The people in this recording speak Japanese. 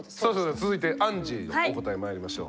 続いてアンジーのお答えまいりましょう。